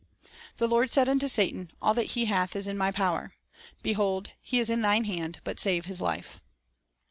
The Lord said unto Satan, "All that he hath is in thy power." "Behold, he is in thine hand; but save his life."